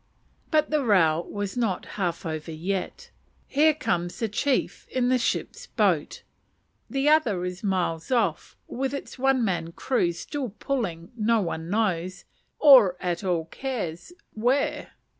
But the row is not half over yet. Here comes the chief in the ship's boat. The other is miles off with its one man crew still pulling no one knows, or at all cares, where.